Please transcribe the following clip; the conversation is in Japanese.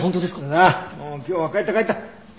さあもう今日は帰った帰った！